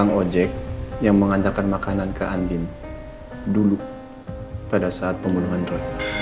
saat saya mengunjungi sumarno